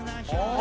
あ！